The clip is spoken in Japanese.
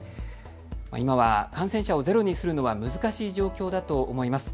今は感染者をゼロにするのは難しい状況だと思います。